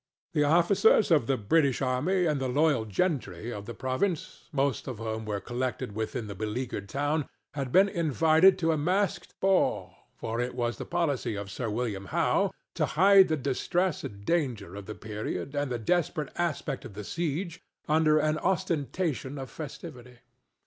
The officers of the British army and the loyal gentry of the province, most of whom were collected within the beleaguered town, had been invited to a masqued ball, for it was the policy for Sir William Howe to hide the distress and danger of the period and the desperate aspect of the siege under an ostentation of festivity.